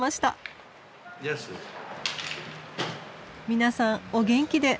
皆さんお元気で。